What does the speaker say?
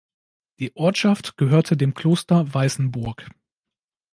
Die Ortschaft gehörte dem Kloster Weißenburg.